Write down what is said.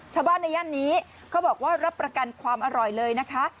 ชาวบ้านในย่านนี้เขาบอกว่ารับประกันความอร่อยเลยนะคะ